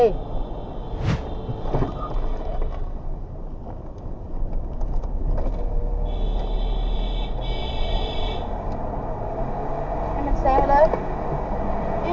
ให้มันแซมไปเลย